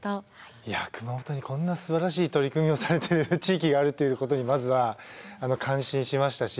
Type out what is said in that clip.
いや熊本にこんなすばらしい取り組みをされてる地域があるっていうことにまずは感心しましたし